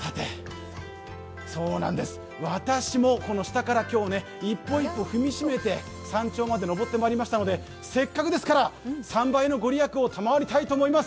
私も下から一歩一歩踏みしめて山頂までまいりましたのでせっかくですから３倍のご利益を賜りたいと思います。